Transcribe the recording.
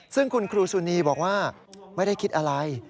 ซึ่งคุณครูสุนีบอกว่าไม่ได้คิดอะไร